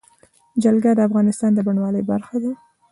جلګه د افغانستان د بڼوالۍ برخه ده.